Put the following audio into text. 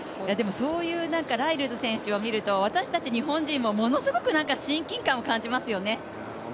そういうライルズ選手を見ると、私たち日本人もものすごく親近感を感じますよね。